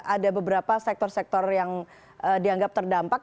ada beberapa sektor sektor yang dianggap terdampak